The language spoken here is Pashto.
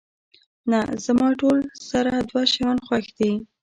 نه، زما ټول سره دوه شیان خوښ دي.